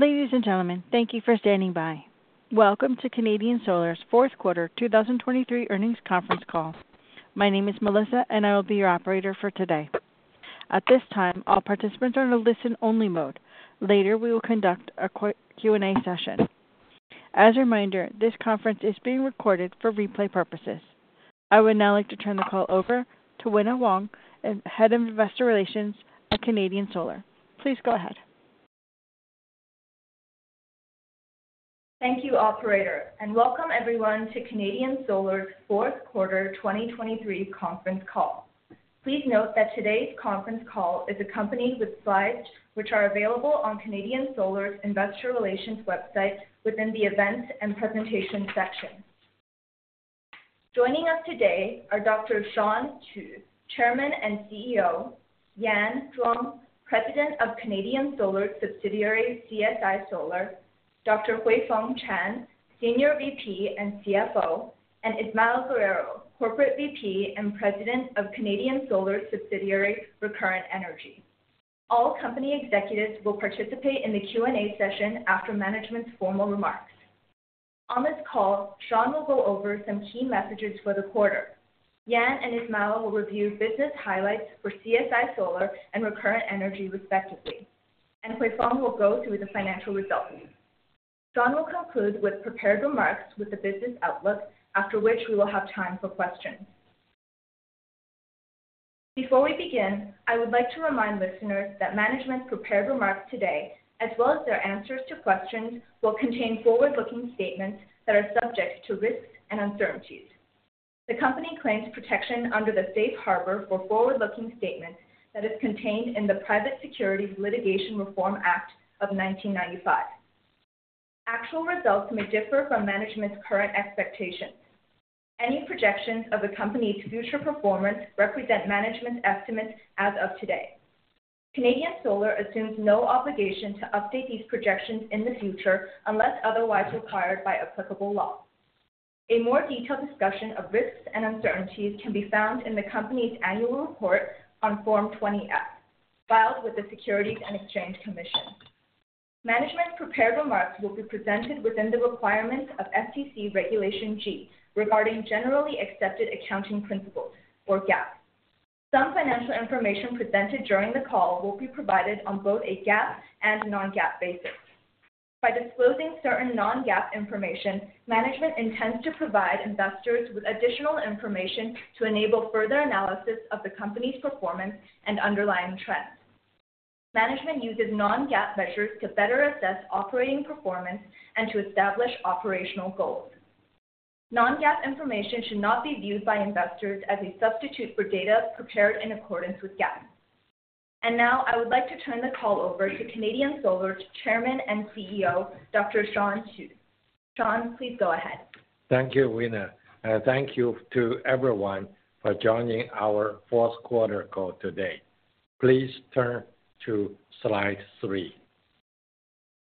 Ladies and gentlemen, thank you for standing by. Welcome to Canadian Solar's fourth quarter 2023 earnings conference call. My name is Melissa, and I will be your operator for today. At this time, all participants are in a listen-only mode. Later, we will conduct a Q&A session. As a reminder, this conference is being recorded for replay purposes. I would now like to turn the call over to Wina Huang, Head of Investor Relations at Canadian Solar. Please go ahead. Thank you, operator, and welcome everyone to Canadian Solar's fourth quarter, 2023 conference call. Please note that today's conference call is accompanied with slides, which are available on Canadian Solar's investor relations website within the Events and Presentation section. Joining us today are Dr. Shawn Qu, Chairman and CEO, Yan Zhuang, President of Canadian Solar subsidiary, CSI Solar, Dr. Huifeng Chang, Senior VP and CFO, and Ismael Guerrero, Corporate VP and President of Canadian Solar subsidiary, Recurrent Energy. All company executives will participate in the Q&A session after management's formal remarks. On this call, Shawn will go over some key messages for the quarter. Yan and Ismael will review business highlights for CSI Solar and Recurrent Energy, respectively, and Huifeng will go through the financial results. Shawn will conclude with prepared remarks with the business outlook, after which we will have time for questions. Before we begin, I would like to remind listeners that management's prepared remarks today, as well as their answers to questions, will contain forward-looking statements that are subject to risks and uncertainties. The company claims protection under the safe harbor for forward-looking statements that is contained in the Private Securities Litigation Reform Act of 1995. Actual results may differ from management's current expectations. Any projections of the company's future performance represent management's estimates as of today. Canadian Solar assumes no obligation to update these projections in the future unless otherwise required by applicable law. A more detailed discussion of risks and uncertainties can be found in the company's annual report on Form 20-F, filed with the Securities and Exchange Commission. Management's prepared remarks will be presented within the requirements of SEC Regulation G, regarding generally accepted accounting principles, or GAAP. Some financial information presented during the call will be provided on both a GAAP and non-GAAP basis. By disclosing certain non-GAAP information, management intends to provide investors with additional information to enable further analysis of the company's performance and underlying trends. Management uses non-GAAP measures to better assess operating performance and to establish operational goals. Non-GAAP information should not be viewed by investors as a substitute for data prepared in accordance with GAAP. Now, I would like to turn the call over to Canadian Solar's Chairman and CEO, Dr. Shawn Qu. Shawn, please go ahead. Thank you, Wina, and thank you to everyone for joining our fourth quarter call today. Please turn to slide three.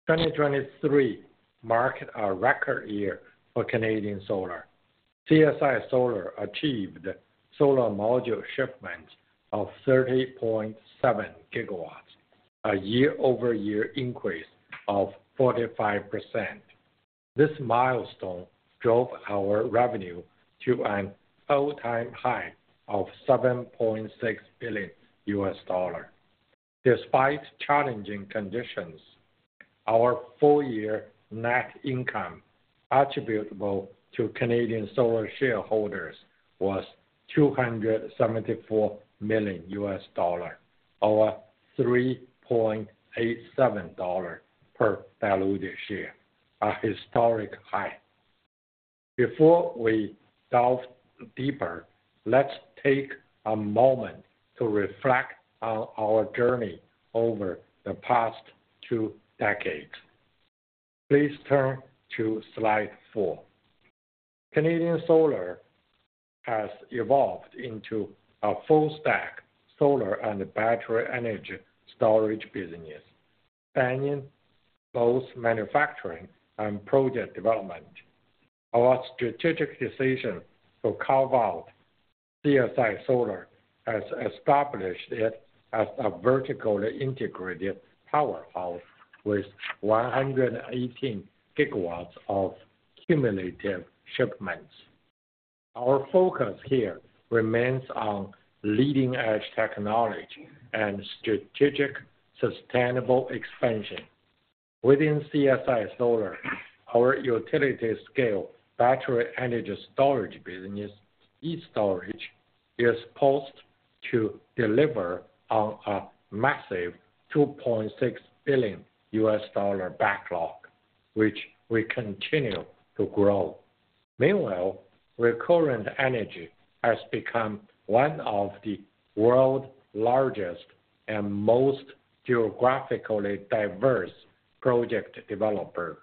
2023 marked a record year for Canadian Solar. CSI Solar achieved solar module shipments of 30.7 GW, a year-over-year increase of 45%. This milestone drove our revenue to an all-time high of $7.6 billion. Despite challenging conditions, our full year net income attributable to Canadian Solar shareholders was $274 million, or $3.87 per diluted share, a historic high. Before we delve deeper, let's take a moment to reflect on our journey over the past two decades. Please turn to slide four. Canadian Solar has evolved into a full-stack solar and battery energy storage business, spanning both manufacturing and project development. Our strategic decision to carve out CSI Solar has established it as a vertically integrated powerhouse with 118 GW of cumulative shipments. Our focus here remains on leading-edge technology and strategic, sustainable expansion. Within CSI Solar, our utility-scale battery energy storage business, e-STORAGE, is poised to deliver on a massive $2.6 billion backlog, which we continue to grow. Meanwhile, Recurrent Energy has become one of the world's largest and most geographically diverse project developer.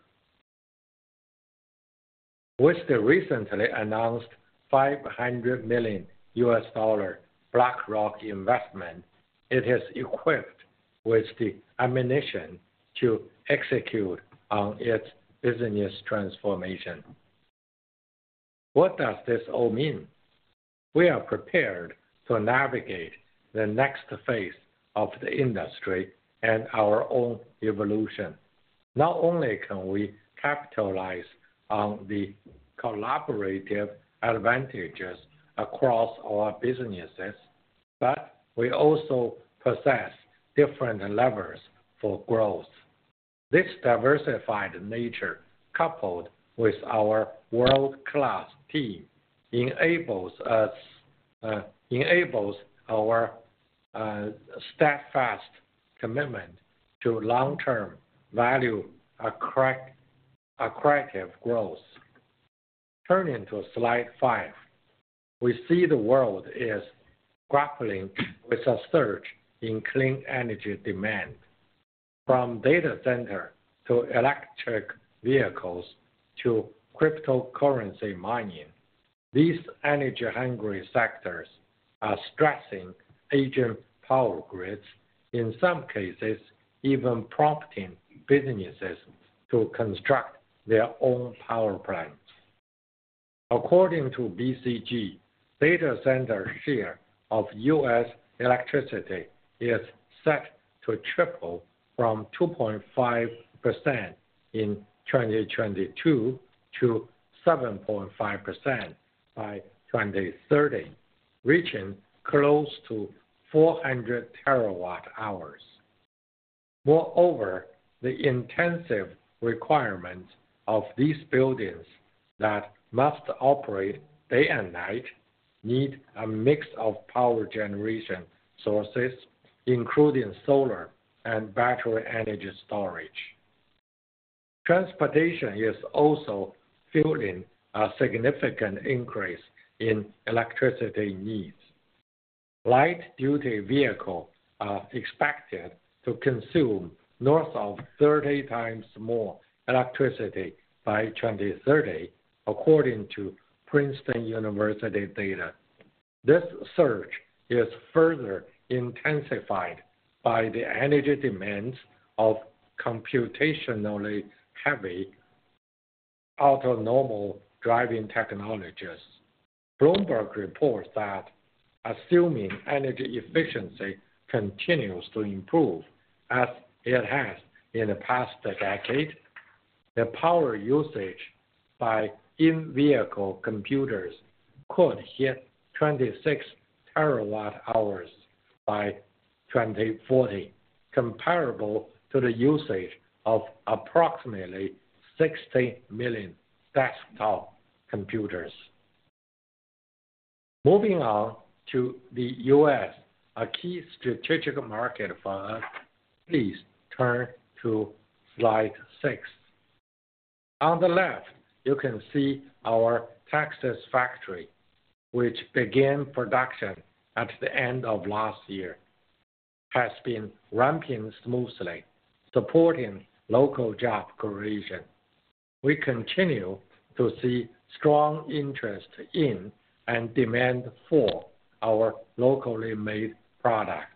With the recently announced $500 million BlackRock investment, it is equipped with the ammunition to execute on its business transformation..What does this all mean? We are prepared to navigate the next phase of the industry and our own evolution. Not only can we capitalize on the collaborative advantages across our businesses, but we also possess different levers for growth. This diversified nature, coupled with our world-class team, enables our steadfast commitment to long-term value attractive, attractive growth. Turning to slide five. We see the world is grappling with a surge in clean energy demand, from data center to electric vehicles to cryptocurrency mining. These energy-hungry sectors are stressing Asian power grids, in some cases, even prompting businesses to construct their own power plants. According to BCG, data center share of U.S. electricity is set to triple from 2.5% in 2022 to 7.5% by 2030, reaching close to 400 TWh. Moreover, the intensive requirements of these buildings that must operate day and night need a mix of power generation sources, including solar and battery energy storage. Transportation is also fueling a significant increase in electricity needs. Light-duty vehicles are expected to consume north of 30 times more electricity by 2030, according to Princeton University data. This surge is further intensified by the energy demands of computationally heavy autonomous driving technologies. Bloomberg reports that assuming energy efficiency continues to improve, as it has in the past decade, the power usage by in-vehicle computers could hit 26 TWh by 2040, comparable to the usage of approximately 60 million desktop computers. Moving on to the U.S., a key strategic market for us, please turn to slide six. On the left, you can see our Texas factory, which began production at the end of last year, has been ramping smoothly, supporting local job creation. We continue to see strong interest in and demand for our locally made products.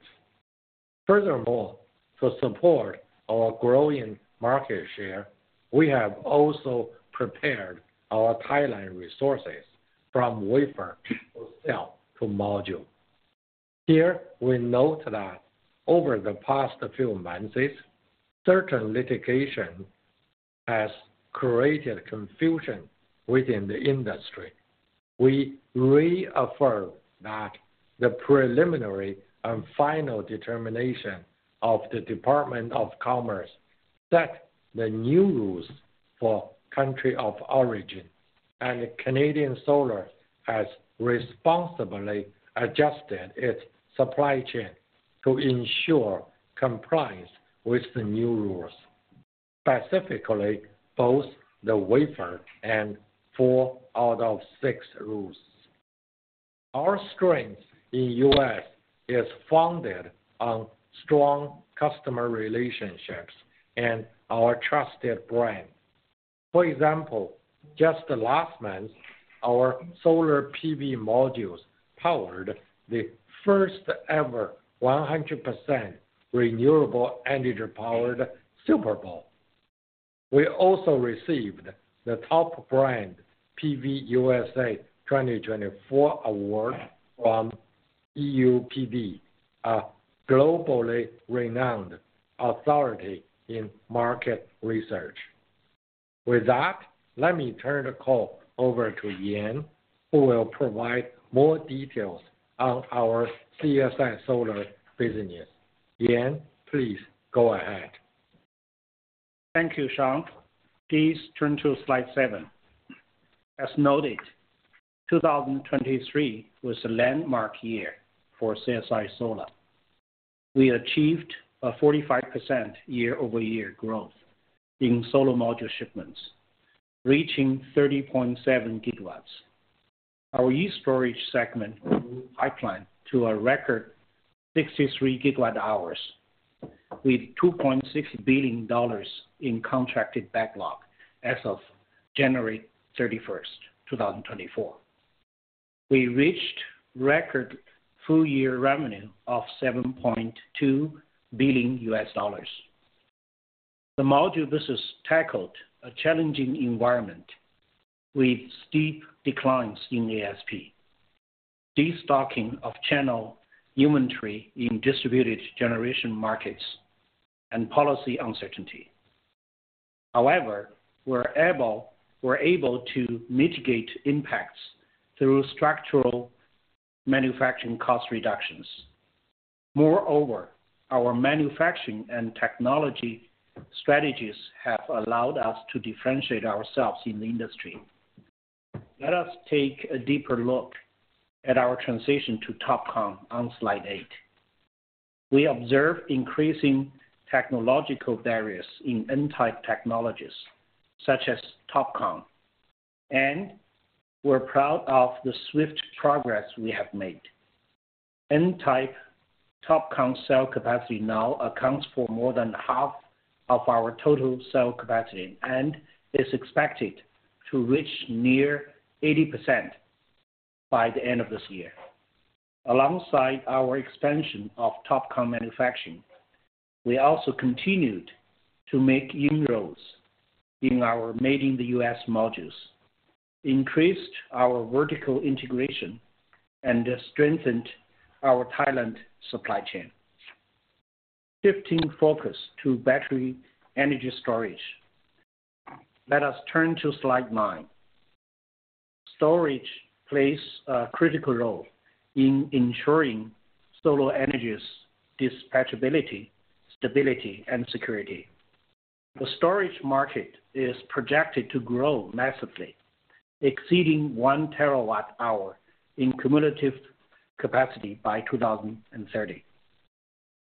Furthermore, to support our growing market share, we have also prepared our pipeline resources from wafer to cell to module. Here, we note that over the past few months, certain litigation has created confusion within the industry. We reaffirm that the preliminary and final determination of the Department of Commerce set the new rules for country of origin, and Canadian Solar has responsibly adjusted its supply chain to ensure compliance with the new rules, specifically, both the wafer and four-out-of-six rules. Our strength in U.S. is founded on strong customer relationships and our trusted brand. For example, just last month, our solar PV modules powered the first-ever 100% renewable energy-powered Super Bowl. We also received the Top Brand PV USA 2024 award from EUPD, a globally renowned authority in market research. With that, let me turn the call over to Yan, who will provide more details on our CSI Solar business. Yan, please go ahead. Thank you, Shawn. Please turn to slide seven. As noted, 2023 was a landmark year for CSI Solar. We achieved a 45% year-over-year growth in solar module shipments, reaching 30.7 GW. Our energy storage segment pipeline to a record 63 GWh, with $2.6 billion in contracted backlog as of January 31, 2024. We reached record full-year revenue of $7.2 billion. The module business tackled a challenging environment with steep declines in ASP, destocking of channel inventory in distributed generation markets, and policy uncertainty. However, we're able to mitigate impacts through structural manufacturing cost reductions. Moreover, our manufacturing and technology strategies have allowed us to differentiate ourselves in the industry. Let us take a deeper look at our transition to TOPCon on slide eight. We observe increasing technological barriers in N-type technologies, such as TOPCon, and we're proud of the swift progress we have made. N-type TOPCon cell capacity now accounts for more than half of our total cell capacity, and is expected to reach near 80% by the end of this year. Alongside our expansion of TOPCon manufacturing, we also continued to make inroads in our Made in the U.S. modules, increased our vertical integration, and strengthened our Thailand supply chain. Shifting focus to battery energy storage, let us turn to slide nine. Storage plays a critical role in ensuring solar energy's dispatchability, stability, and security. The storage market is projected to grow massively, exceeding 1 TWh in cumulative capacity by 2030.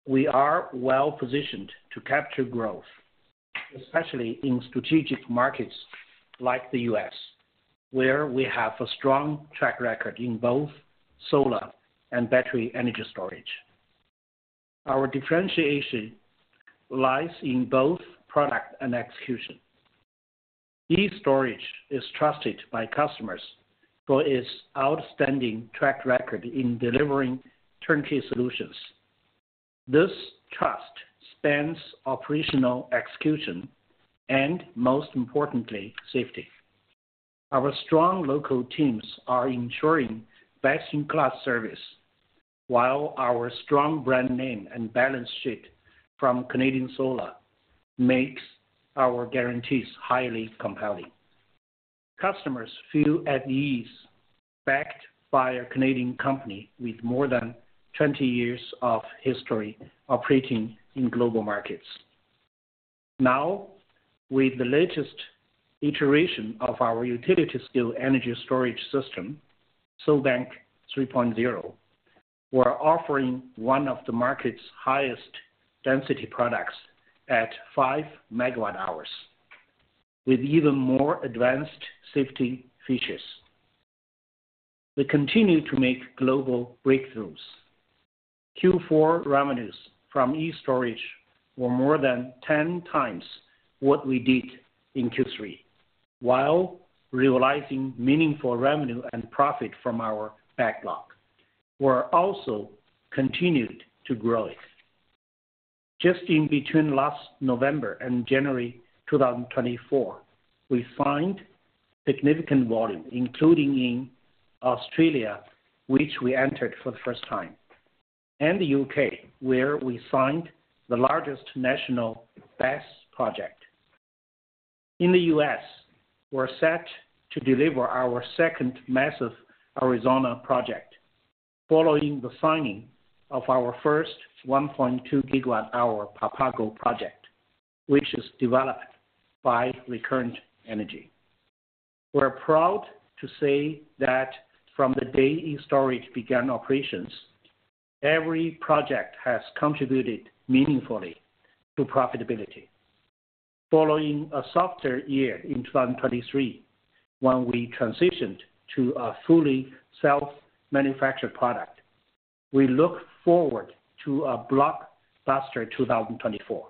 We are well-positioned to capture growth, especially in strategic markets like the U.S., where we have a strong track record in both solar and battery energy storage. Our differentiation lies in both product and execution. e-STORAGE is trusted by customers for its outstanding track record in delivering turnkey solutions. This trust spans operational execution, and most importantly, safety. Our strong local teams are ensuring best-in-class service, while our strong brand name and balance sheet from Canadian Solar makes our guarantees highly compelling. Customers feel at ease, backed by a Canadian company with more than 20 years of history operating in global markets. Now, with the latest iteration of our utility-scale energy storage system, SolBank 3.0, we're offering one of the market's highest density products at 5 MWh, with even more advanced safety features. We continue to make global breakthroughs. Q4 revenues from e-STORAGE were more than 10 times what we did in Q3, while realizing meaningful revenue and profit from our backlog. We're also continued to grow it. Just between last November and January 2024, we signed significant volume, including in Australia, which we entered for the first time, and the U.K., where we signed the largest national BESS project. In the U.S., we're set to deliver our second massive Arizona project, following the signing of our first 1.2 GWh Papago project, which is developed by Recurrent Energy. We're proud to say that from the day e-STORAGE began operations, every project has contributed meaningfully to profitability. Following a softer year in 2023, when we transitioned to a fully self-manufactured product, we look forward to a blockbuster 2024.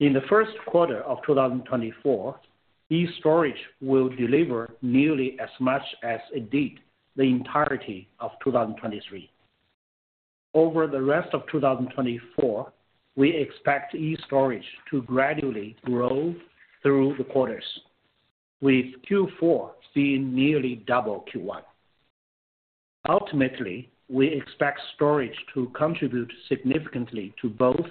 In the first quarter of 2024, e-STORAGE will deliver nearly as much as it did the entirety of 2023. Over the rest of 2024, we expect e-STORAGE to gradually grow through the quarters, with Q4 seeing nearly double Q1. Ultimately, we expect storage to contribute significantly to both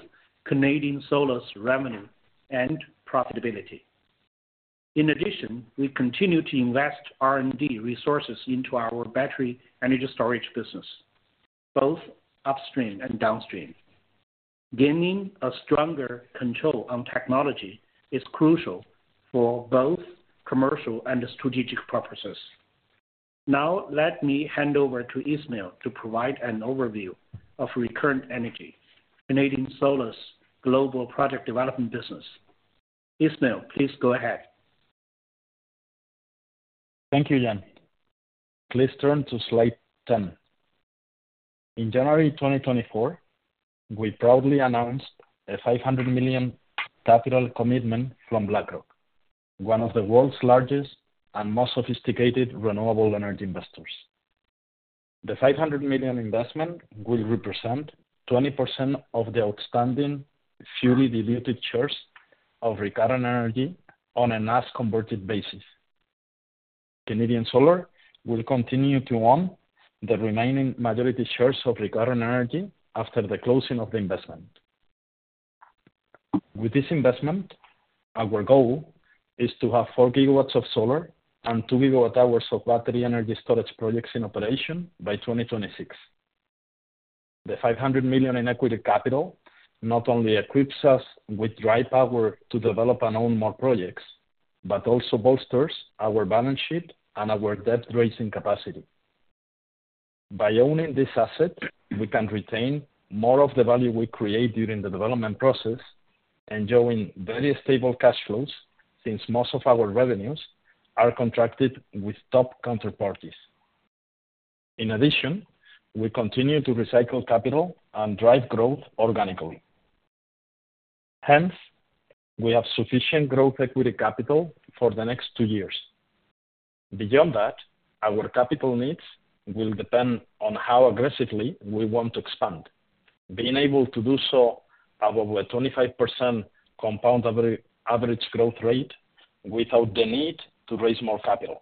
Canadian Solar's revenue and profitability. In addition, we continue to invest R&D resources into our battery energy storage business, both upstream and downstream. Gaining a stronger control on technology is crucial for both commercial and strategic purposes. Now, let me hand over to Ismael to provide an overview of Recurrent Energy, Canadian Solar's global project development business. Ismael, please go ahead. Thank you, Yan. Please turn to slide 10. In January 2024, we proudly announced a $500 million capital commitment from BlackRock, one of the world's largest and most sophisticated renewable energy investors. The $500 million investment will represent 20% of the outstanding fully diluted shares of Recurrent Energy on an as converted basis. Canadian Solar will continue to own the remaining majority shares of Recurrent Energy after the closing of the investment. With this investment, our goal is to have 4 GW of solar and 2 GWh of battery energy storage projects in operation by 2026. The $500 million in equity capital not only equips us with dry powder to develop and own more projects, but also bolsters our balance sheet and our debt-raising capacity. By owning this asset, we can retain more of the value we create during the development process, enjoying very stable cash flows, since most of our revenues are contracted with top counterparties. In addition, we continue to recycle capital and drive growth organically. Hence, we have sufficient growth equity capital for the next two years. Beyond that, our capital needs will depend on how aggressively we want to expand. Being able to do so above a 25% compound average growth rate without the need to raise more capital.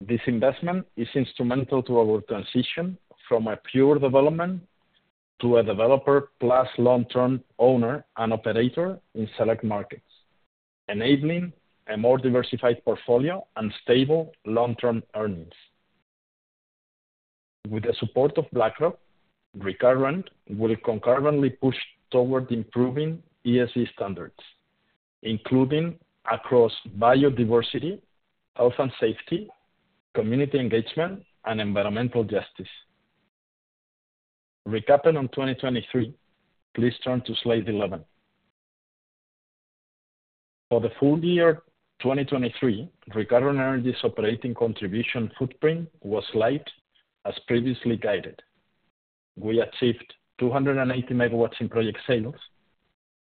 This investment is instrumental to our transition from a pure development to a developer plus long-term owner and operator in select markets, enabling a more diversified portfolio and stable long-term earnings. With the support of BlackRock, Recurrent will concurrently push toward improving ESG standards, including across biodiversity, health and safety, community engagement, and environmental justice. Recapping 2023, please turn to slide 11. For the full year 2023, Recurrent Energy's operating contribution footprint was light, as previously guided. We achieved 280 MW in project sales,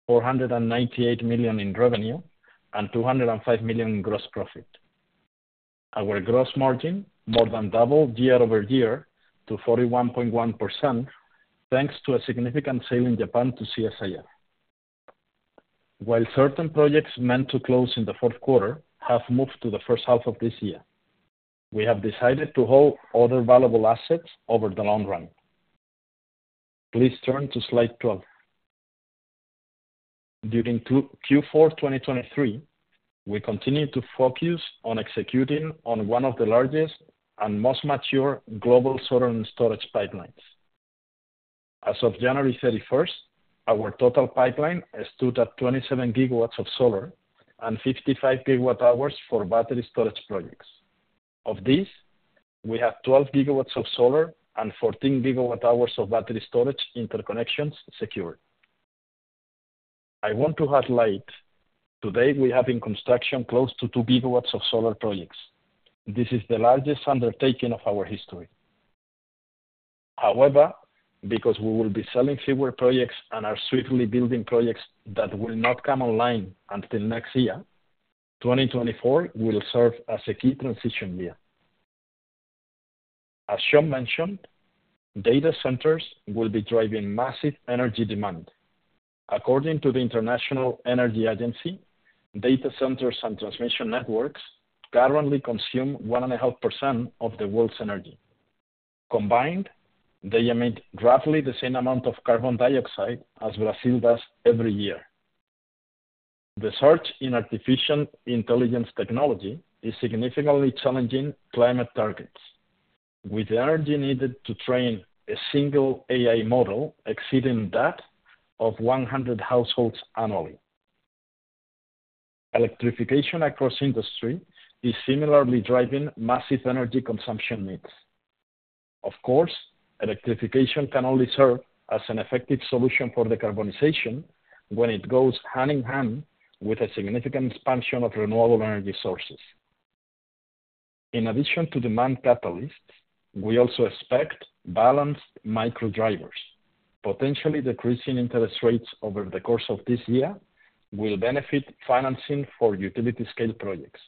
$498 million in revenue, and $205 million in gross profit. Our gross margin more than doubled year-over-year to 41.1%, thanks to a significant sale in Japan to CSIF. While certain projects meant to close in the fourth quarter have moved to the first half of this year, we have decided to hold other valuable assets over the long run. Please turn to slide 12. During Q4 2023, we continued to focus on executing on one of the largest and most mature global solar and storage pipelines. As of January 31, our total pipeline stood at 27 GW of solar and 55 GWh for battery storage projects. Of these, we have 12 GW of solar and 14 GWh of battery storage interconnections secured. I want to highlight, today we have in construction close to 2 GW of solar projects. This is the largest undertaking of our history. However, because we will be selling fewer projects and are swiftly building projects that will not come online until next year, 2024 will serve as a key transition year. As Shawn mentioned, data centers will be driving massive energy demand. According to the International Energy Agency, data centers and transmission networks currently consume 1.5% of the world's energy. Combined, they emit roughly the same amount of carbon dioxide as Brazil does every year. The surge in artificial intelligence technology is significantly challenging climate targets, with the energy needed to train a single AI model exceeding that of 100 households annually. Electrification across industry is similarly driving massive energy consumption needs. Of course, electrification can only serve as an effective solution for decarbonization when it goes hand-in-hand with a significant expansion of renewable energy sources. In addition to demand catalysts, we also expect balanced micro drivers, potentially decreasing interest rates over the course of this year will benefit financing for utility-scale projects.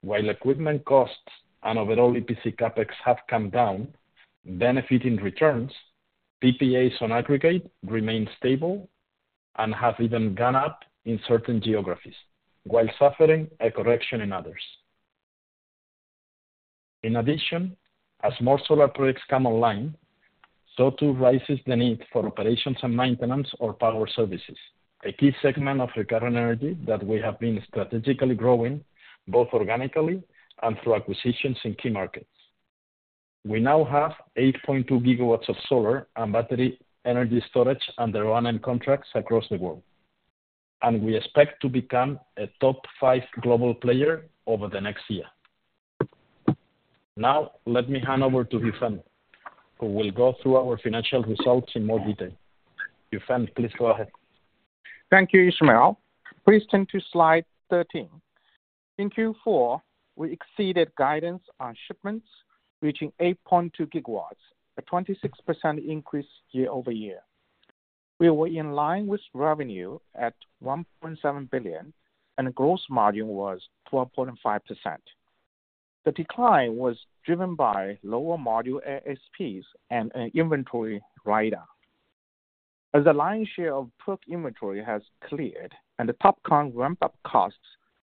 While equipment costs and overall EPC CapEx have come down, benefiting returns, PPAs on aggregate remain stable and have even gone up in certain geographies, while suffering a correction in others. In addition, as more solar projects come online, so too rises the need for operations and maintenance or power services, a key segment of Recurrent Energy that we have been strategically growing, both organically and through acquisitions in key markets. We now have 8.2 GW of solar and battery energy storage under O&M contracts across the world, and we expect to become a top five global player over the next year. Now, let me hand over to Huifeng, who will go through our financial results in more detail. Huifeng, please go ahead. Thank you, Ismael. Please turn to slide 13. In Q4, we exceeded guidance on shipments, reaching 8.2 GW, a 26% increase year-over-year. We were in line with revenue at $1.7 billion, and the gross margin was 12.5%. The decline was driven by lower module ASPs and an inventory write-down. As the lion's share of PERC inventory has cleared and the TOPCon ramp-up costs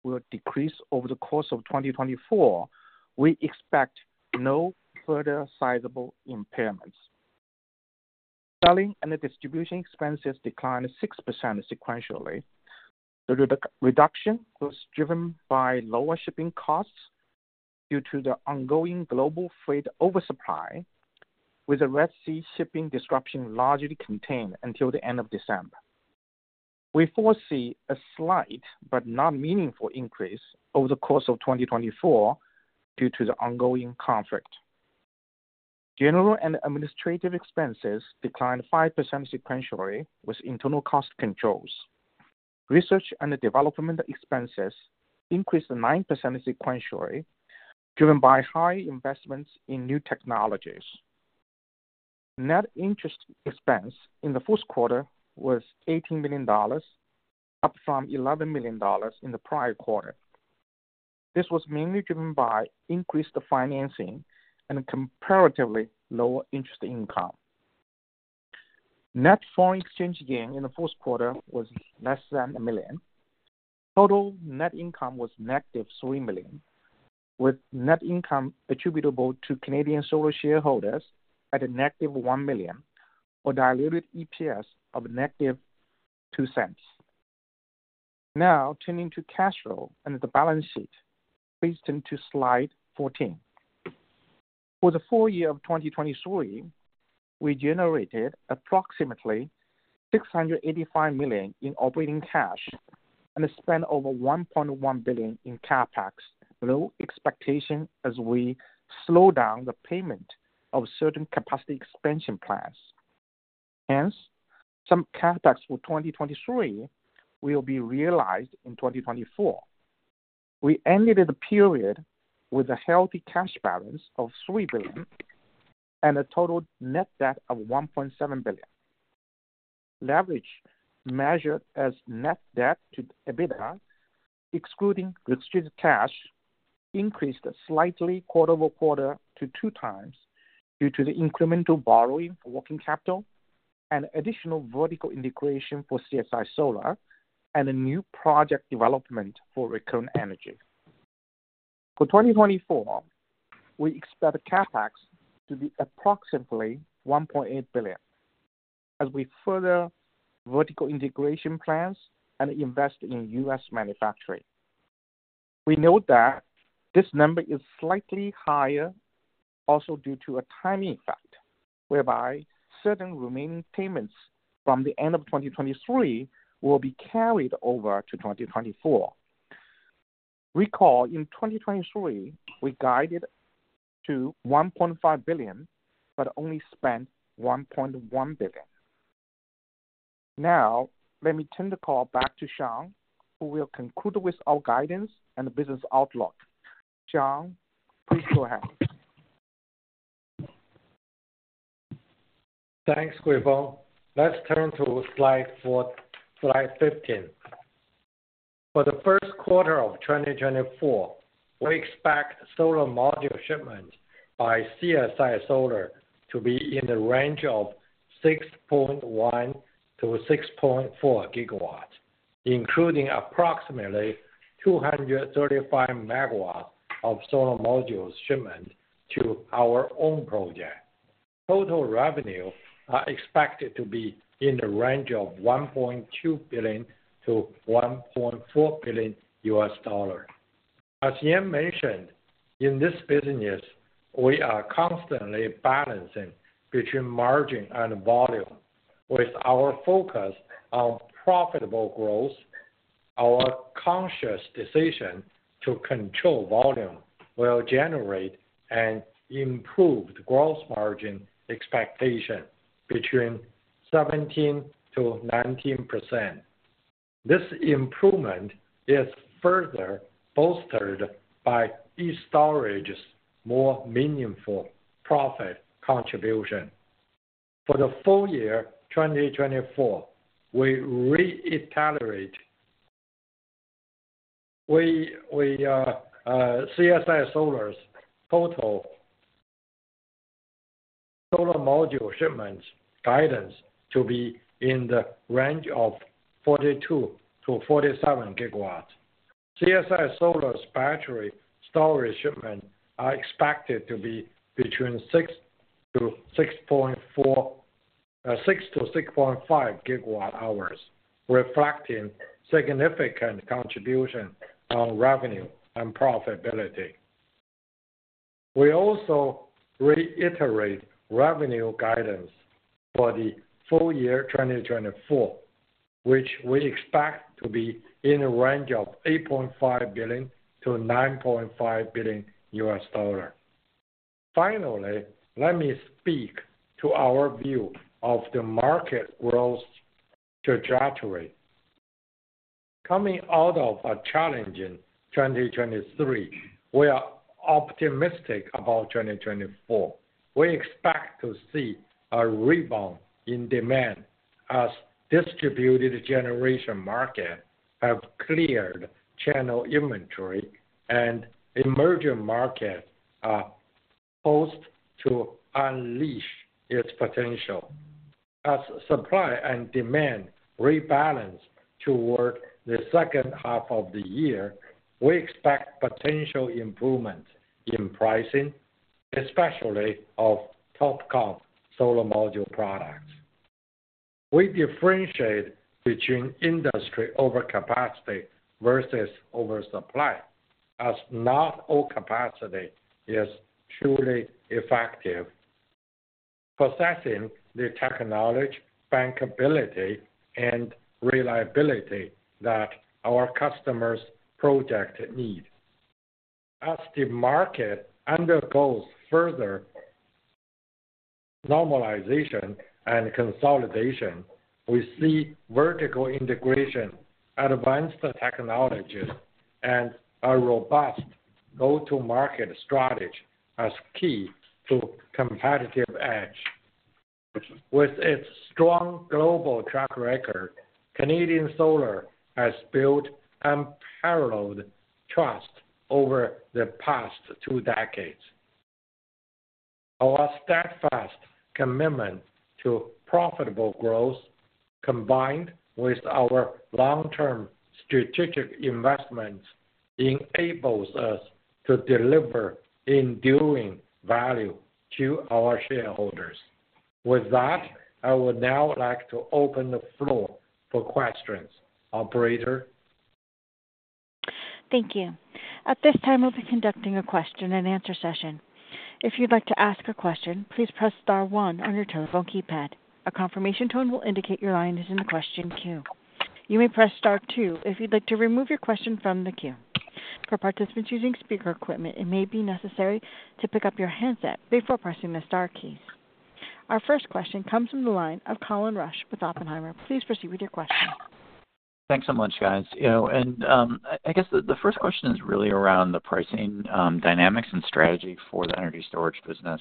will decrease over the course of 2024, we expect no further sizable impairments. Selling and distribution expenses declined 6% sequentially. The reduction was driven by lower shipping costs due to the ongoing global freight oversupply, with the Red Sea shipping disruption largely contained until the end of December. We foresee a slight but not meaningful increase over the course of 2024 due to the ongoing conflict. General and administrative expenses declined 5% sequentially with internal cost controls. Research and development expenses increased 9% sequentially, driven by high investments in new technologies. Net interest expense in the first quarter was $18 million, up from $11 million in the prior quarter. This was mainly driven by increased financing and a comparatively lower interest income. Net foreign exchange gain in the first quarter was less than $1 million. Total net income was negative $3 million, with net income attributable to Canadian Solar shareholders at a negative $1 million, or diluted EPS of negative $0.02. Now, turning to cash flow and the balance sheet. Please turn to slide 14. For the full year of 2023, we generated approximately $685 million in operating cash and spent over $1.1 billion in CapEx, below expectation as we slow down the payment of certain capacity expansion plans. Hence, some CapEx for 2023 will be realized in 2024. We ended the period with a healthy cash balance of $3 billion and a total net debt of $1.7 billion. Leverage, measured as net debt to EBITDA, excluding restricted cash, increased slightly quarter-over-quarter to 2x due to the incremental borrowing for working capital and additional vertical integration for CSI Solar and a new project development for Recurrent Energy. For 2024, we expect CapEx to be approximately $1.8 billion as we further vertical integration plans and invest in U.S. manufacturing. We note that this number is slightly higher also due to a timing effect, whereby certain remaining payments from the end of 2023 will be carried over to 2024. Recall, in 2023, we guided to $1.5 billion, but only spent $1.1 billion. Now, let me turn the call back to Shawn, who will conclude with our guidance and business outlook. Shawn, please go ahead. Thanks, Huifeng. Let's turn to slide four, slide 15. For the first quarter of 2024, we expect solar module shipments by CSI Solar to be in the range of 6.1 GW to 6.4 GW, including approximately 235 MW of solar modules shipment to our own project. Total revenue are expected to be in the range of $1.2 billion to $1.4 billion. As Yan mentioned, in this business, we are constantly balancing between margin and volume. With our focus on profitable growth, our conscious decision to control volume will generate an improved gross margin expectation between 17% to 19%. This improvement is further bolstered by e-STORAGE's more meaningful profit contribution. For the full year, 2024, we reiterate... CSI Solar's total solar module shipments guidance to be in the range of 42 GW to 47 GW. CSI Solar's battery storage shipments are expected to be between 6 GWh to 6.5 GWh, reflecting significant contribution on revenue and profitability. We also reiterate revenue guidance for the full year 2024, which we expect to be in a range of $8.5 billion to $9.5 billion. Finally, let me speak to our view of the market growth trajectory.. Coming out of a challenging 2023, we are optimistic about 2024. We expect to see a rebound in demand as distributed generation market have cleared channel inventory and emerging market are poised to unleash its potential. As supply and demand rebalance toward the second half of the year, we expect potential improvement in pricing, especially of TOPCon solar module products. We differentiate between industry overcapacity versus oversupply, as not all capacity is truly effective, possessing the technology, bankability, and reliability that our customers' projects need. As the market undergoes further normalization and consolidation, we see vertical integration, advanced technologies, and a robust go-to-market strategy as key to competitive edge. With its strong global track record, Canadian Solar has built unparalleled trust over the past two decades. Our steadfast commitment to profitable growth, combined with our long-term strategic investments, enables us to deliver enduring value to our shareholders. With that, I would now like to open the floor for questions. Operator? Thank you. At this time, we'll be conducting a question and answer session. If you'd like to ask a question, please press star one on your telephone keypad. A confirmation tone will indicate your line is in the question queue. You may press star two if you'd like to remove your question from the queue. For participants using speaker equipment, it may be necessary to pick up your handset before pressing the star key. Our first question comes from the line of Colin Rusch with Oppenheimer. Please proceed with your question. Thanks so much, guys. You know, and I guess the first question is really around the pricing dynamics and strategy for the energy storage business.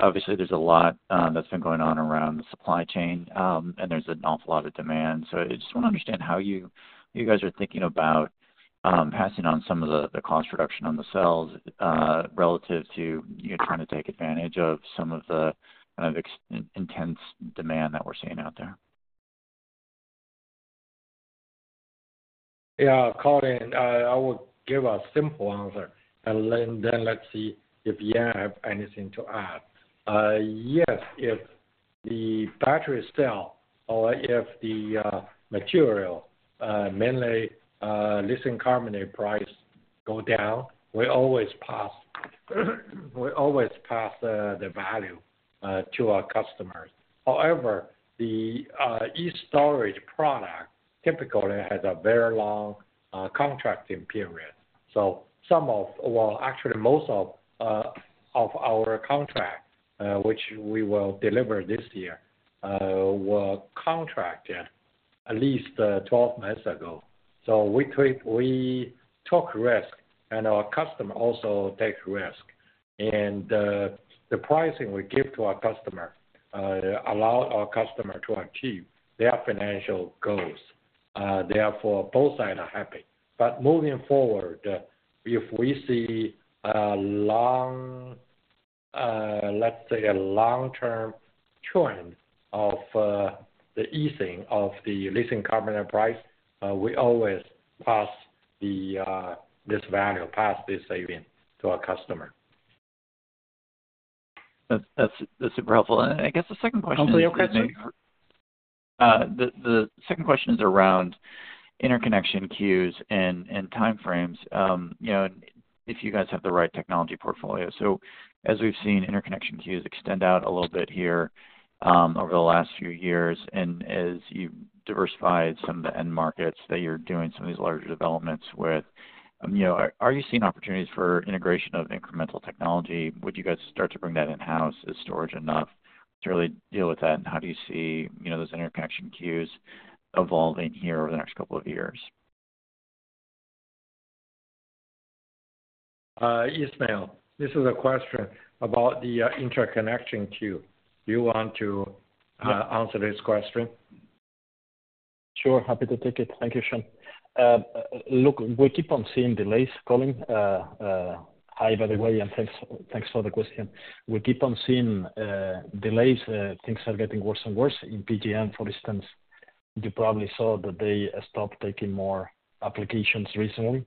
Obviously, there's a lot that's been going on around the supply chain, and there's an awful lot of demand. So I just wanna understand how you guys are thinking about passing on some of the cost reduction on the cells relative to, you know, trying to take advantage of some of the kind of intense demand that we're seeing out there. Yeah, Colin, I would give a simple answer, and then, then let's see if Yan have anything to add. Yes, if the battery cell or if the material, mainly lithium carbonate price go down, we always pass, we always pass the value to our customers. However, the e-STORAGE product typically has a very long contracting period. So some of... Well, actually, most of our contract which we will deliver this year were contracted at least 12 months ago. So we take- we took risk, and our customer also takes risk. And the pricing we give to our customer allow our customer to achieve their financial goals, therefore both sides are happy. Moving forward, if we see, let's say, a long-term trend of the easing of the lithium carbonate price, we always pass this saving to our customer. That's super helpful. And I guess the second question is- Hopefully, your question. The second question is around interconnection queues and time frames. You know, if you guys have the right technology portfolio. So as we've seen, interconnection queues extend out a little bit here over the last few years, and as you've diversified some of the end markets that you're doing some of these larger developments with, you know, are you seeing opportunities for integration of incremental technology? Would you guys start to bring that in-house? Is storage enough to really deal with that? And how do you see, you know, those interconnection queues evolving here over the next couple of years? Ismael, this is a question about the interconnection queue. Do you want to Yeah. Answer this question? Sure, happy to take it. Thank you, Shawn. Look, we keep on seeing delays, Colin. Hi, by the way, and thanks for the question. We keep on seeing delays. Things are getting worse and worse. In PJM, for instance, you probably saw that they stopped taking more applications recently.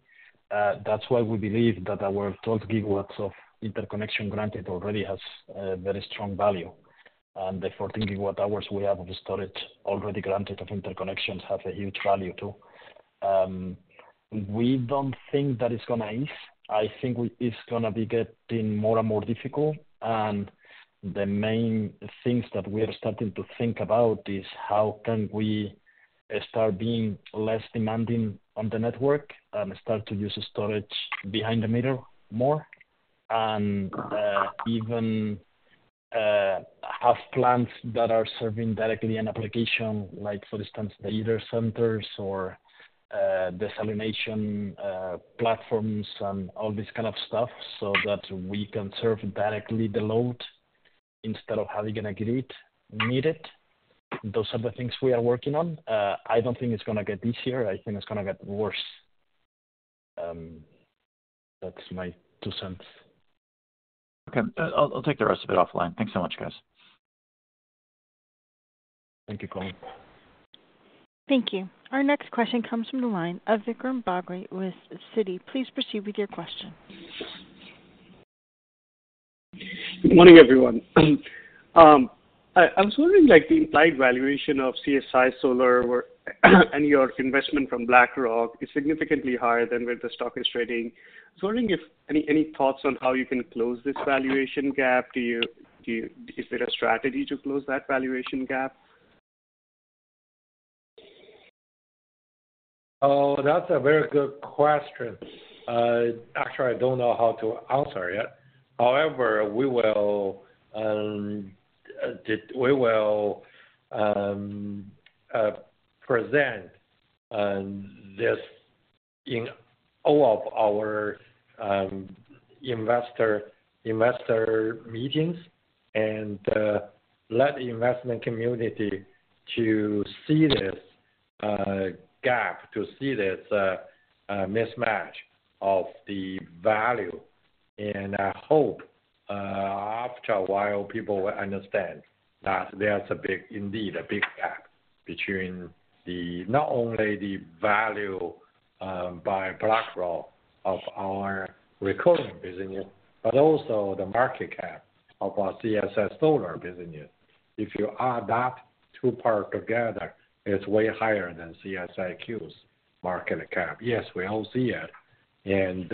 That's why we believe that our 12 GW of interconnection granted already has very strong value. And therefore, 13 GWh, we have the storage already granted of interconnections have a huge value too. We don't think that it's gonna ease. I think it's gonna be getting more and more difficult. And the main things that we are starting to think about is, how can we start being less demanding on the network and start to use storage behind the meter more? And even... have plants that are serving directly in application, like, for instance, data centers or, desalination, platforms and all this kind of stuff, so that we can serve directly the load instead of having a grid need it. Those are the things we are working on. I don't think it's gonna get easier. I think it's gonna get worse. That's my two cents. Okay. I'll, I'll take the rest of it offline. Thanks so much, guys. Thank you, Colin. Thank you. Our next question comes from the line of Vikram Bagri with Citi. Please proceed with your question. Good morning, everyone. I was wondering, like, the implied valuation of CSI Solar were, and your investment from BlackRock, is significantly higher than where the stock is trading. I was wondering if any thoughts on how you can close this valuation gap? Is there a strategy to close that valuation gap? Oh, that's a very good question. Actually, I don't know how to answer it. However, we will present this in all of our investor meetings, and let the investment community to see this gap, to see this mismatch of the value. And I hope after a while, people will understand that there's a big, indeed, a big gap between the... not only the value by BlackRock of our Recurrent business, but also the market cap of our CSI Solar business. If you add that two part together, it's way higher than CSIQ's market cap. Yes, we all see it, and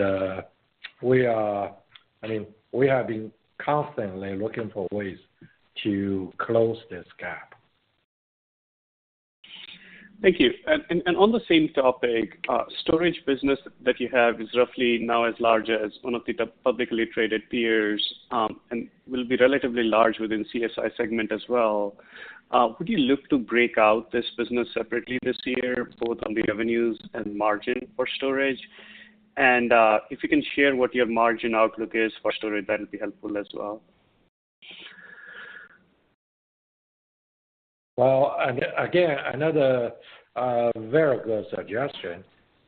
we are, I mean, we have been constantly looking for ways to close this gap. Thank you. On the same topic, the storage business that you have is roughly now as large as one of the publicly traded peers, and will be relatively large within CSI segment as well. Would you look to break out this business separately this year, both on the revenues and margin for storage? And, if you can share what your margin outlook is for storage, that would be helpful as well. Well, again, another very good suggestion.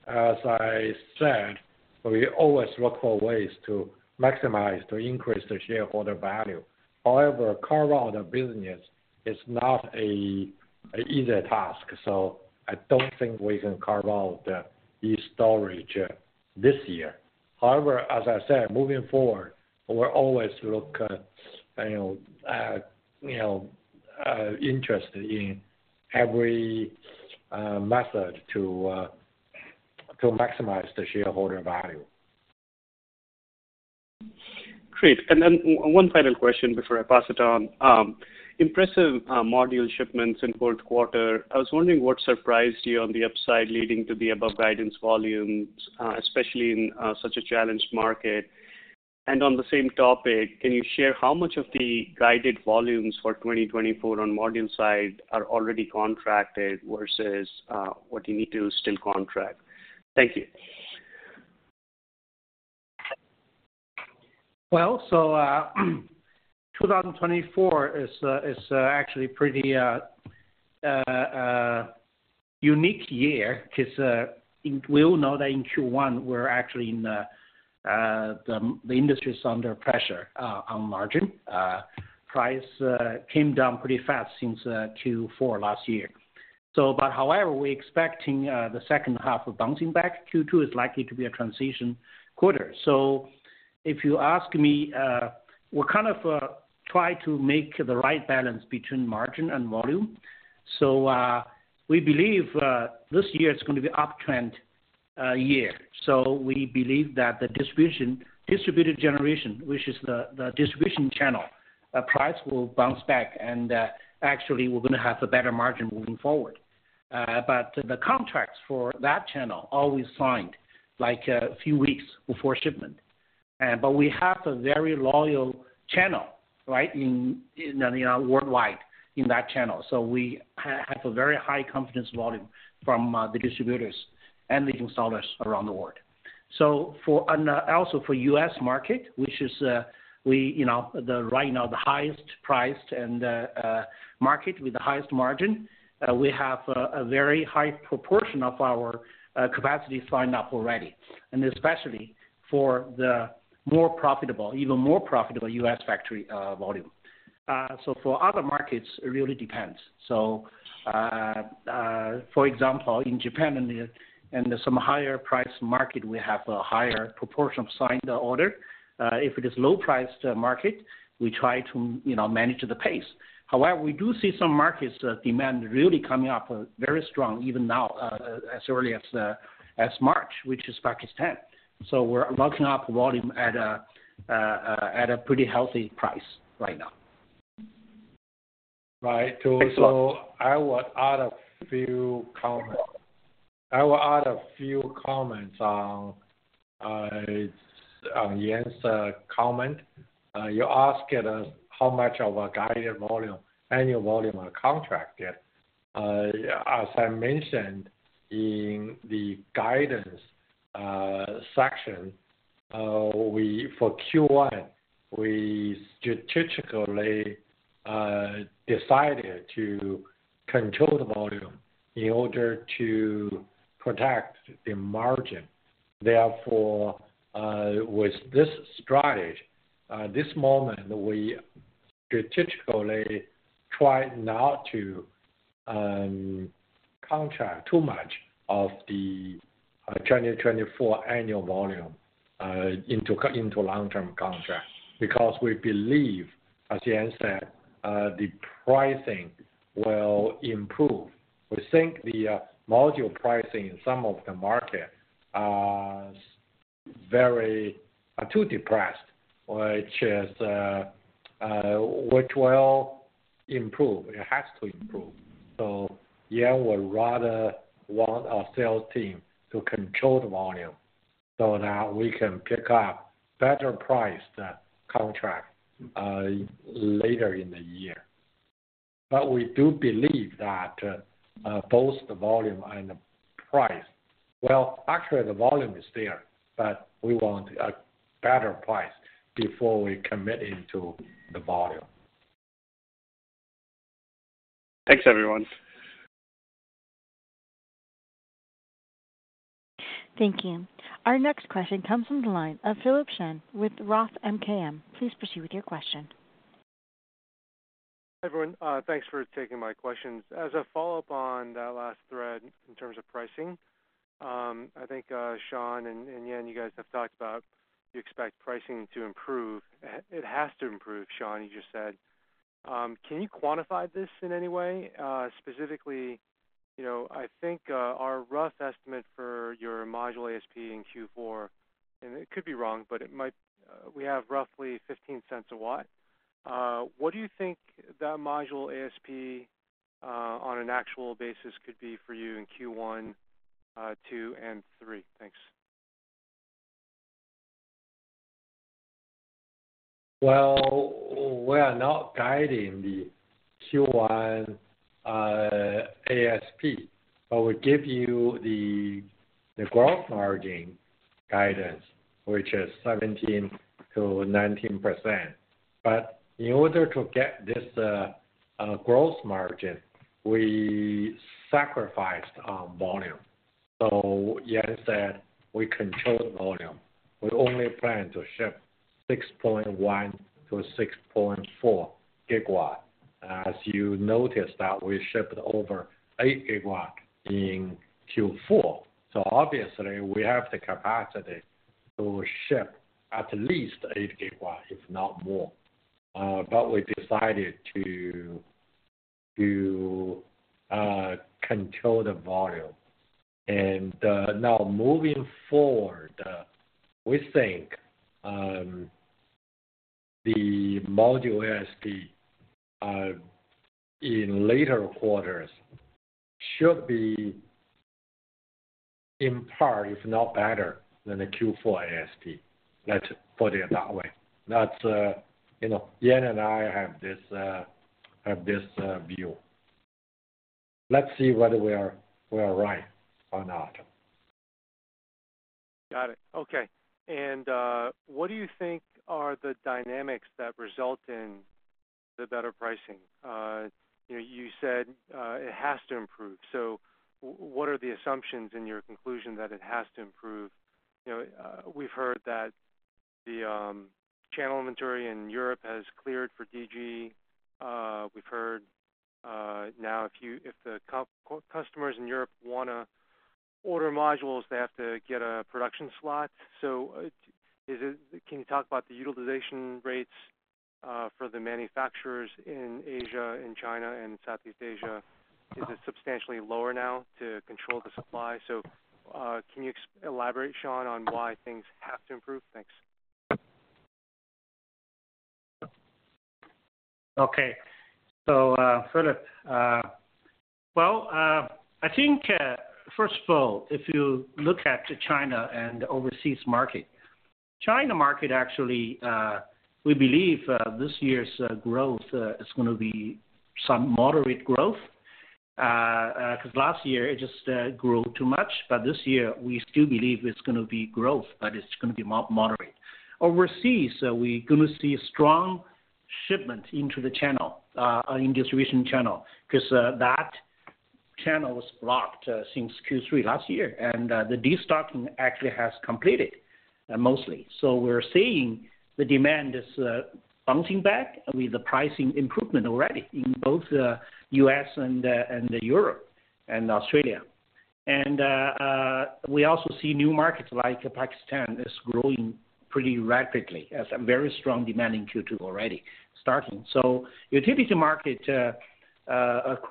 As I said, we always look for ways to maximize, to increase the shareholder value. However, carve out the business is not an easy task, so I don't think we can carve out the e-STORAGE this year. However, as I said, moving forward, we're always look you know you know interested in every method to to maximize the shareholder value. Great. And then one final question before I pass it on. Impressive module shipments in fourth quarter. I was wondering what surprised you on the upside leading to the above guidance volumes, especially in such a challenged market? And on the same topic, can you share how much of the guided volumes for 2024 on module side are already contracted versus what you need to still contract? Thank you. Well, so, 2024 is actually pretty unique year, 'cause we all know that in Q1, we're actually in the industry is under pressure on margin. Price came down pretty fast since Q4 last year. However, we're expecting the second half of bouncing back. Q2 is likely to be a transition quarter. So if you ask me, we're kind of try to make the right balance between margin and volume. So, we believe this year is gonna be uptrend year. So we believe that the distributed generation, which is the distribution channel, price will bounce back, and actually we're gonna have a better margin moving forward. But the contracts for that channel always signed, like, a few weeks before shipment. But we have a very loyal channel, right, in, you know, worldwide in that channel, so we have a very high confidence volume from the distributors and the installers around the world. So for, and also for U.S. market, which is, we, you know, the, right now, the highest priced and market with the highest margin, we have a very high proportion of our capacity signed up already, and especially for the more profitable, even more profitable U.S. factory, volume. So for other markets, it really depends. So, for example, in Japan and some higher priced market, we have a higher proportion of signed order. If it is low priced market, we try to, you know, manage the pace. However, we do see some markets, demand really coming up, very strong even now, as early as, as March, which is Pakistan. So we're locking up volume at a pretty healthy price right now. Right. So- Thanks a lot. So I would add a few comments. I will add a few comments on Yan's comment. You asked us how much of our guided volume, annual volume are contracted. As I mentioned in the guidance section, for Q1, we strategically decided to control the volume in order to protect the margin. Therefore, with this strategy, this moment, we strategically try not to contract too much of the 2024 annual volume into long-term contract, because we believe, as Yan said, the pricing will improve. We think the module pricing in some of the market are too depressed, which will improve. It has to improve. So Yan would rather want our sales team to control the volume so that we can pick up better price that contract later in the year. But we do believe that both the volume and the price, well, actually, the volume is there, but we want a better price before we commit into the volume. Thanks, everyone. Thank you. Our next question comes from the line of Philip Shen with Roth MKM. Please proceed with your question. Everyone, thanks for taking my questions. As a follow-up on that last thread in terms of pricing, I think, Shawn and Yan, you guys have talked about you expect pricing to improve. It has to improve, Shawn, you just said. Can you quantify this in any way? Specifically, you know, I think, our rough estimate for your module ASP in Q4, and it could be wrong, but it might, we have roughly $0.15/W. What do you think that module ASP, on an actual basis, could be for you in Q1, 2, and 3? Thanks. Well, we are not guiding the Q1 ASP, but we give you the growth margin guidance, which is 17% to 19%. But in order to get this growth margin, we sacrificed our volume. So Yan said we controlled volume. We only plan to ship 6.1 GW to 6.4 GW. As you notice that we shipped over 8 GW in Q4, so obviously we have the capacity to ship at least 8 GW, if not more. But we decided to control the volume. And now, moving forward, we think the module ASP in later quarters should be on par, if not better, than the Q4 ASP. Let's put it that way. That's you know, Yan and I have this view. Let's see whether we are right or not. Got it. Okay. And what do you think are the dynamics that result in the better pricing? You know, you said it has to improve, so what are the assumptions in your conclusion that it has to improve? You know, we've heard that the channel inventory in Europe has cleared for DG. We've heard now, if the customers in Europe wanna order modules, they have to get a production slot. So, can you talk about the utilization rates for the manufacturers in Asia, in China, and Southeast Asia? Is it substantially lower now to control the supply? So, can you elaborate, Shawn, on why things have to improve? Thanks. Okay. So, Philip, well, I think, first of all, if you look at China and overseas market, China market, actually, we believe, this year's growth is gonna be some moderate growth, because last year it just grew too much. But this year, we still believe it's gonna be growth, but it's gonna be moderate. Overseas, we're gonna see a strong shipment into the channel, in distribution channel, because that channel was blocked since Q3 last year, and the destocking actually has completed, mostly. So we're seeing the demand is bouncing back with the pricing improvement already in both U.S. and the Europe and Australia. And we also see new markets like Pakistan is growing pretty rapidly, has a very strong demand in Q2 already starting. So your typical market,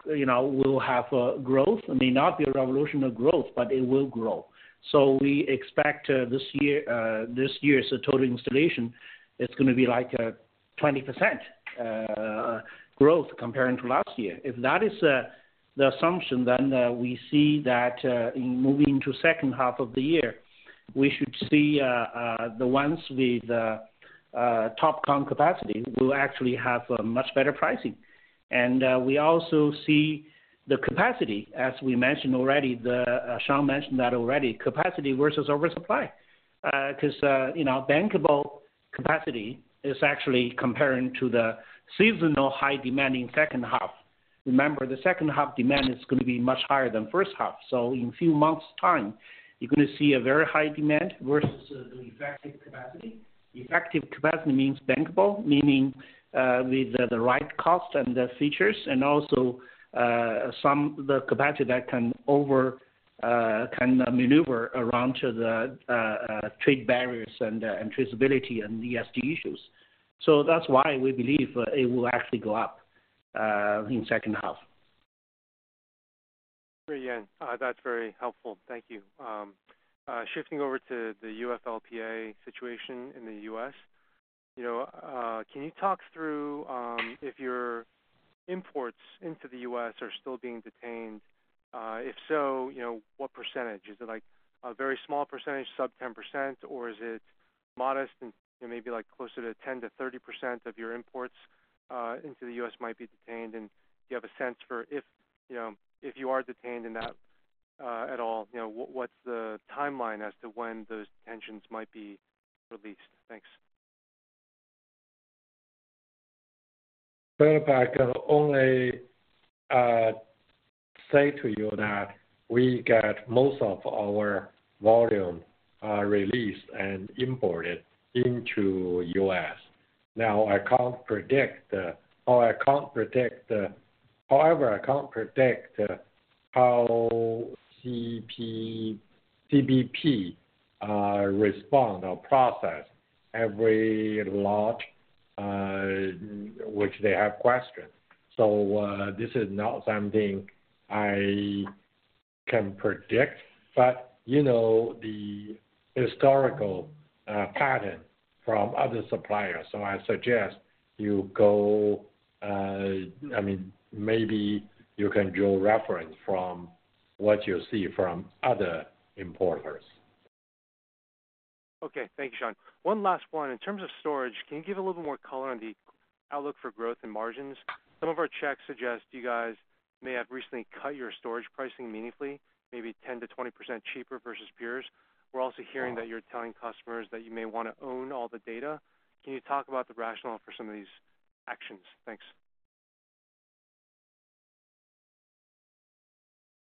you know, will have growth. It may not be a revolutionary growth, but it will grow. So we expect this year, this year's total installation, it's gonna be like 20% growth comparing to last year. If that is the assumption, then we see that in moving into second half of the year, we should see the ones with TOPCon capacity will actually have a much better pricing. And we also see the capacity, as we mentioned already, Shawn mentioned that already, capacity versus oversupply. Because you know, bankable capacity is actually comparing to the seasonal high demand in second half. Remember, the second half demand is going to be much higher than first half, so in a few months' time, you're gonna see a very high demand versus the effective capacity. Effective capacity means bankable, meaning, with the right cost and the features, and also, some the capacity that can maneuver around to the trade barriers and traceability and ESG issues. So that's why we believe, it will actually go up, in second half. Great, Yan. That's very helpful. Thank you. Shifting over to the UFLPA situation in the U.S. You know, can you talk through if your imports into the U.S. are still being detained? If so, you know, what percentage? Is it like a very small percentage, sub-10%, or is it modest and maybe like closer to 10% to 30% of your imports into the U.S. might be detained? And do you have a sense for if, you know, if you are detained in that at all, you know, what, what's the timeline as to when those detentions might be released? Thanks. Well, I can only say to you that we get most of our volume released and imported into U.S. Now, however, I can't predict how CBP respond or process every lot which they have questioned. So, this is not something I can predict, but you know, the historical pattern from other suppliers. So I suggest you go, I mean, maybe you can draw reference from what you see from other importers. Okay. Thank you, Shawn. One last one. In terms of storage, can you give a little more color on the outlook for growth and margins? Some of our checks suggest you guys may have recently cut your storage pricing meaningfully, maybe 10% to 20% cheaper versus peers. We're also hearing that you're telling customers that you may want to own all the data. Can you talk about the rationale for some of these actions? Thanks.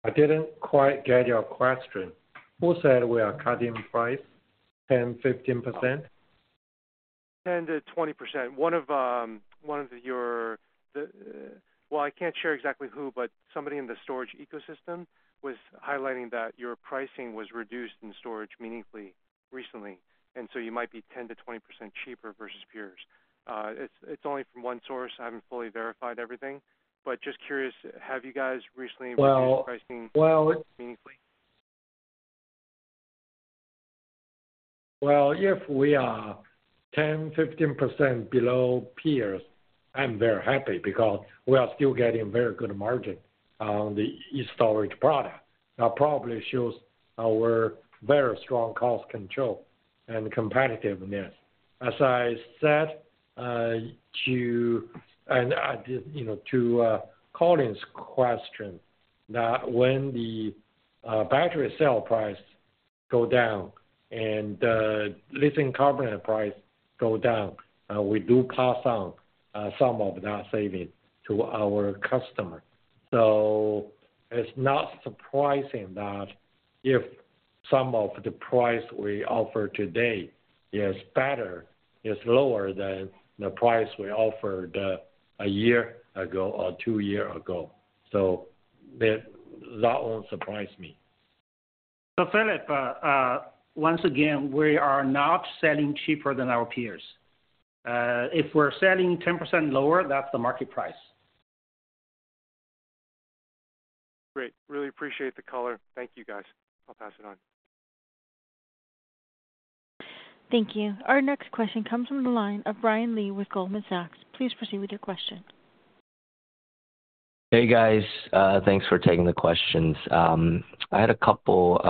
I didn't quite get your question. Who said we are cutting price 10, 15%? 10% to 20%. Well, I can't share exactly who, but somebody in the storage ecosystem was highlighting that your pricing was reduced in storage meaningfully recently, and so you might be 10% to 20% cheaper versus peers. It's, it's only from one source. I haven't fully verified everything, but just curious, have you guys recently- Well- reduced pricing meaningfully? Well, if we are 10 to 15% below peers, I'm very happy because we are still getting very good margin on the e-STORAGE product. That probably shows our very strong cost control and competitiveness. As I said, you know, to Colin's question, that when the battery cell price go down and the lithium carbonate price go down, we do pass on some of that saving to our customer. So it's not surprising that if some of the price we offer today is better, is lower than the price we offered a year ago or two year ago, so that won't surprise me. So Philip, once again, we are not selling cheaper than our peers. If we're selling 10% lower, that's the market price. Great. Really appreciate the color. Thank you, guys. I'll pass it on. Thank you. Our next question comes from the line of Brian Lee with Goldman Sachs. Please proceed with your question. Hey, guys, thanks for taking the questions. I had a couple,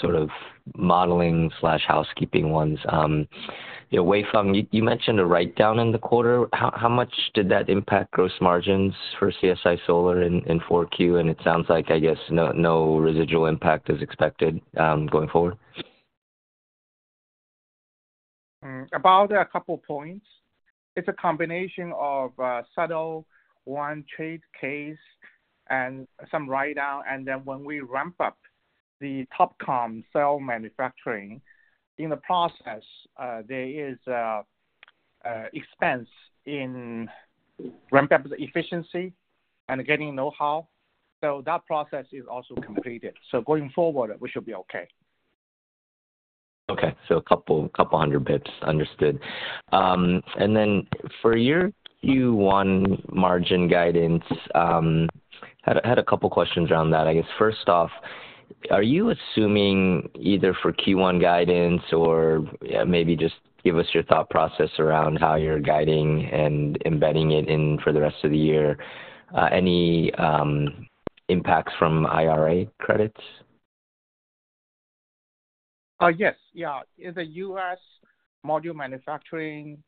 sort of modeling/housekeeping ones. You know, Huifeng, you mentioned a write-down in the quarter. How much did that impact gross margins for CSI Solar in 4Q? And it sounds like, I guess, no residual impact is expected, going forward. About a couple points. It's a combination of settlement, one, trade case and some write-down. And then when we ramp up the TOPCon cell manufacturing, in the process, there is an expense in ramp-up efficiency and getting know-how. So that process is also completed. So going forward, we should be okay. Okay, so a couple hundred bips. Understood. And then for your Q1 margin guidance, I had a couple questions around that. I guess, first off, are you assuming either for Q1 guidance or, yeah, maybe just give us your thought process around how you're guiding and embedding it in for the rest of the year, any impacts from IRA credits? Yes. Yeah. In the U.S., module manufacturing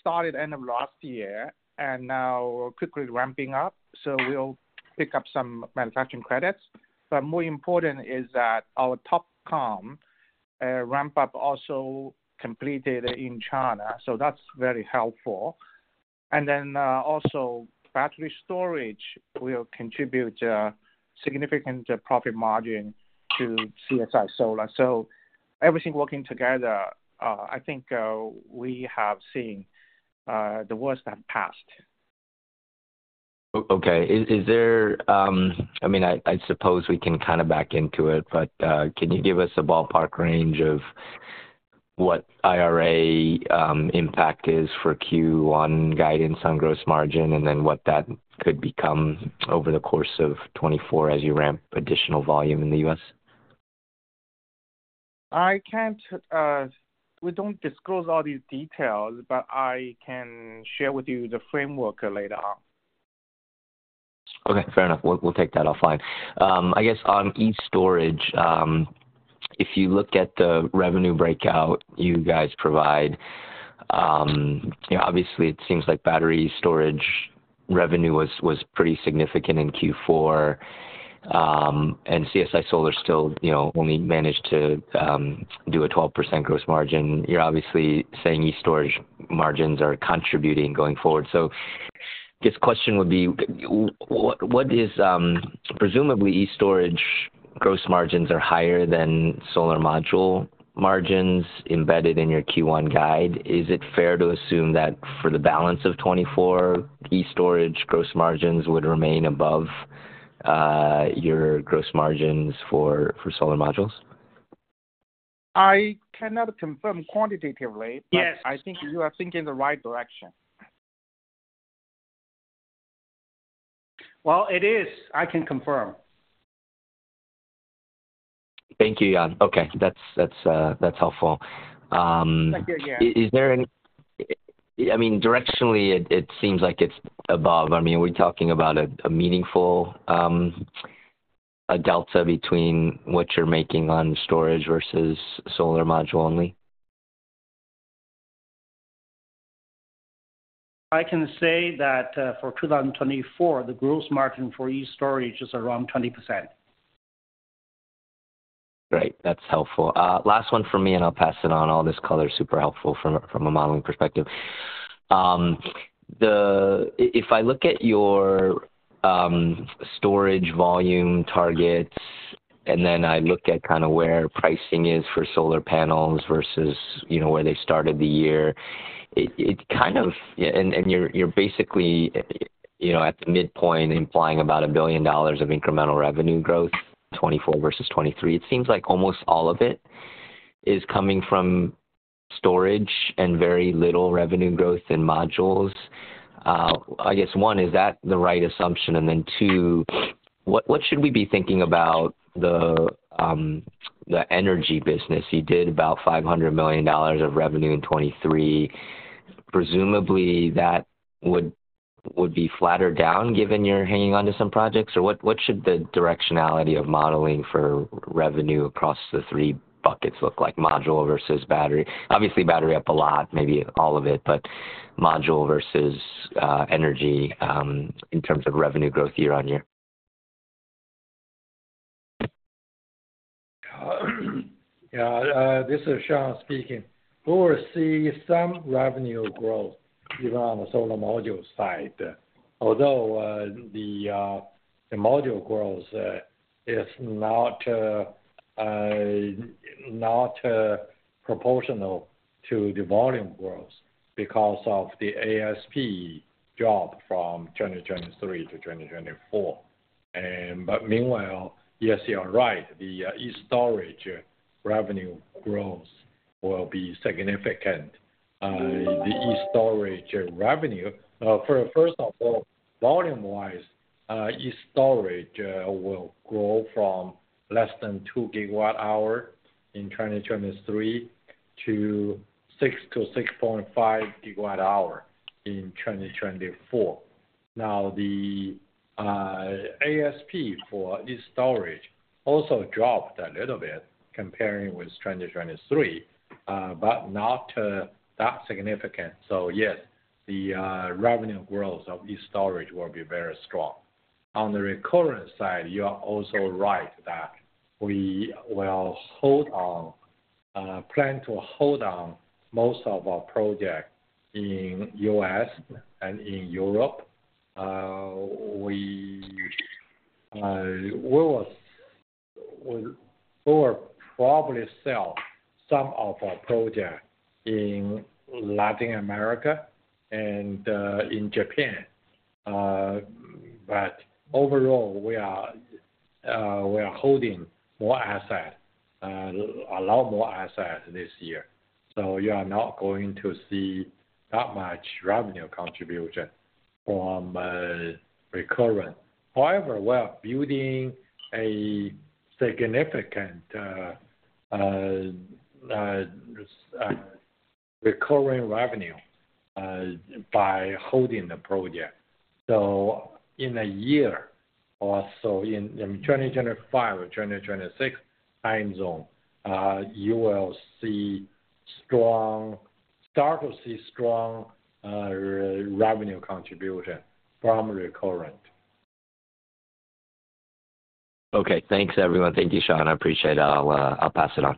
started end of last year and now quickly ramping up, so we'll pick up some manufacturing credits. But more important is that our TOPCon ramp up also completed in China, so that's very helpful. And then, also, battery storage will contribute a significant profit margin to CSI Solar. So everything working together, I think, we have seen the worst have passed. Okay. Is there... I mean, I suppose we can kind of back into it, but can you give us a ballpark range of what IRA impact is for Q1 guidance on gross margin, and then what that could become over the course of 2024 as you ramp additional volume in the US? I can't, we don't disclose all these details, but I can share with you the framework later on. Okay, fair enough. We'll take that offline. I guess on e-STORAGE, if you look at the revenue breakout you guys provide, you know, obviously it seems like battery storage revenue was pretty significant in Q4. And CSI Solar still, you know, only managed to do a 12% gross margin. You're obviously saying e-STORAGE margins are contributing going forward. So I guess the question would be, what is, presumably e-STORAGE gross margins are higher than solar module margins embedded in your Q1 guide. Is it fair to assume that for the balance of 2024, e-STORAGE gross margins would remain above your gross margins for solar modules? I cannot confirm quantitatively- Yes. But I think you are thinking in the right direction. Well, it is. I can confirm. Thank you, Yan. Okay, that's helpful. Thank you, yeah. Is there any, I mean, directionally, it seems like it's above. I mean, are we talking about a meaningful delta between what you're making on storage versus solar module only? I can say that, for 2024, the gross margin for e-STORAGE is around 20%. Great, that's helpful. Last one for me, and I'll pass it on. All this color is super helpful from a modeling perspective. If I look at your storage volume targets, and then I look at kind of where pricing is for solar panels versus, you know, where they started the year, it kind of and you're basically, you know, at the midpoint, implying about $1 billion of incremental revenue growth, 2024 versus 2023. It seems like almost all of it is coming from storage and very little revenue growth in modules. I guess, one, is that the right assumption? And then, two, what should we be thinking about the energy business? You did about $500 million of revenue in 2023. Presumably, that would be flatter down, given you're hanging on to some projects, or what should the directionality of modeling for revenue across the three buckets look like, module versus battery? Obviously, battery up a lot, maybe all of it, but module versus energy, in terms of revenue growth year-over-year. Yeah, this is Shawn speaking. We will see some revenue growth even on the solar module side, although, the module growth is not proportional to the volume growth because of the ASP drop from 2023 to 2024. But meanwhile, yes, you are right. The e-STORAGE revenue growth will be significant. The e-STORAGE revenue, for first of all, volume-wise, e-STORAGE will grow from less than 2 GWh in 2023 to 6 GWh to 6.5 GWh in 2024. Now, the ASP for e-STORAGE also dropped a little bit comparing with 2023, but not that significant. So yes, the revenue growth of e-STORAGE will be very strong. On the Recurrent side, you are also right that we will hold on, plan to hold on most of our project in the U.S. and in Europe. We will probably sell some of our project in Latin America and in Japan. But overall, we are holding more asset, a lot more asset this year. So you are not going to see that much revenue contribution from Recurrent. However, we are building a significant recurring revenue by holding the project. So in a year or so, in 2025 or 2026 timeframe, you will see strong... start to see strong revenue contribution from Recurrent. Okay. Thanks, everyone. Thank you, Shawn. I appreciate it. I'll pass it on.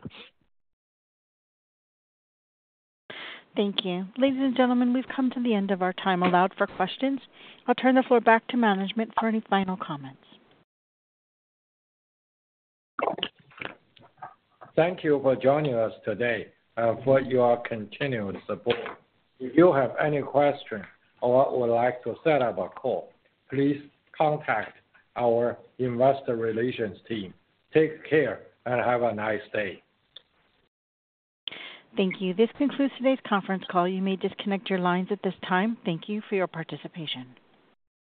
Thank you. Ladies and gentlemen, we've come to the end of our time allowed for questions. I'll turn the floor back to management for any final comments. Thank you for joining us today, for your continuous support. If you have any questions or would like to set up a call, please contact our investor relations team. Take care, and have a nice day. Thank you. This concludes today's conference call. You may disconnect your lines at this time. Thank you for your participation.